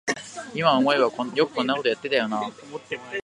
いま思えばよくこんなことやってたよなあ